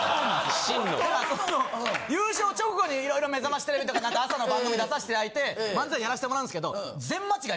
・真の・優勝直後に色々『めざましテレビ』とか何か朝の番組出させていただいて漫才やらしてもらうんすけど。